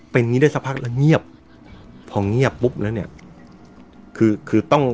เป็นอย่างงี้ได้สักพักแล้วเงียบพอเงียบปุ๊บแล้วเนี่ยคือคือต้อง